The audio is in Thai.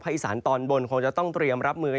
อีสานตอนบนคงจะต้องเตรียมรับมือ